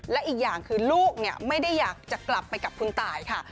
และอีกอย่างคือลูกไม่ได้อยากจะกลับไปกับคุณตายค่ะ